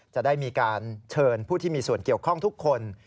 จะได้มีการเชิญผู้ที่มีส่วนเกี่ยวข้องทุกคน